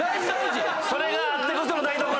それがあってこその台所！